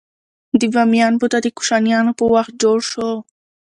د بامیان بودا د کوشانیانو په وخت جوړ شو